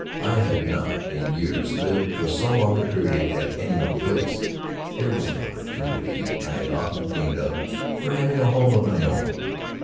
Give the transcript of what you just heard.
I had not, in years, lived for so long a period at any one place. Here was an opportunity I had often dreamed of for having a home of my own.